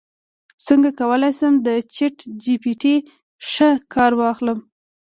څنګه کولی شم د چیټ جی پي ټي ښه کار واخلم